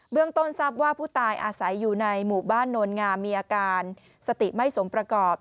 เรื่องต้นทราบว่าผู้ตายอาศัยอยู่ในหมู่บ้านโนลงามมีอาการสติไม่สมประกอบ